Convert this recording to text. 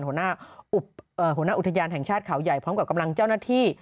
หัวหน้าอุทยานแห่งชาติเขาใหญ่พร้อมกับกำลังเจ้าหน้าที่